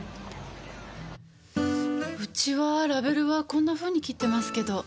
うちはラベルはこんなふうに切ってますけど。